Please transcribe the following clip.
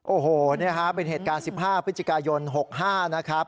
โอ้โหนี่ฮะเป็นเหตุการณ์๑๕พฤศจิกายน๖๕นะครับ